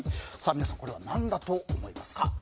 皆さん、これは何だと思いますか。